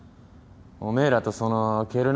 おめえらとそのケル